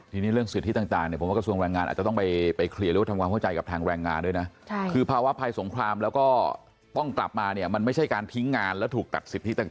เพราะพื้นที่ที่มีตรงนั้นมันก็ติดกับชายได้นะครับ